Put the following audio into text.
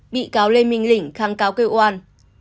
bị cáo lê minh lình kháng cáo kêu oan